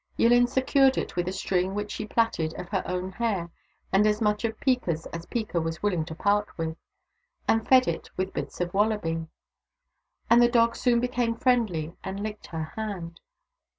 Yillin secured it with a string which she plaited of her own hair and as much of Peeka's as Peeka was willing to part with, and fed it with bits of wallaby ; and the dog soon became friendly and licked her hand.